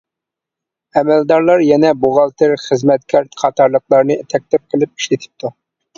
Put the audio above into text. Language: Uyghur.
ئەمەلدارلار يەنە بوغالتىر، خىزمەتكار، قاتارلىقلارنى تەكلىپ قىلىپ ئىشلىتىپتۇ.